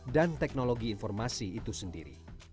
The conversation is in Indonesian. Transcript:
dan teknologi informasi itu sendiri